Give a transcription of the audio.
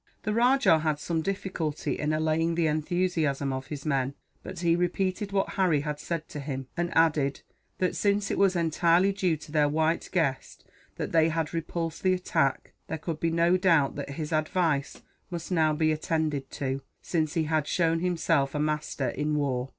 The rajah had some difficulty in allaying the enthusiasm of his men; but he repeated what Harry had said to him, and added that, since it was entirely due to their white guest that they had repulsed the attack, there could be no doubt that his advice must now be attended to, since he had shown himself a master in war.